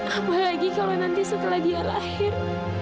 apalagi kalau nanti setelah dia lahir